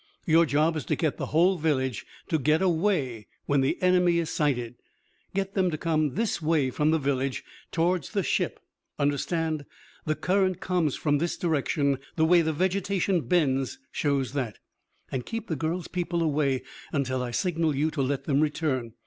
Your job is to get the whole village to get away when the enemy is sighted. Get them to come this way from the village, towards the ship, understand. The current comes from this direction; the way the vegetation bends shows that. And keep the girl's people away until I signal you to let them return.